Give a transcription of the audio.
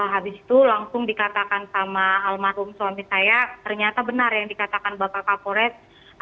habis itu langsung dikatakan sama almarhum suami saya ternyata benar yang dikatakan bapak kapolres